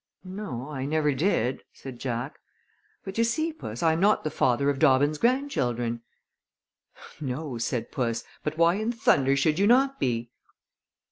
"No, I never did," said Jack; "but you see, Puss, I am not the father of Dobbins' grandchildren." "No," said puss, "but why in thunder should you not be?"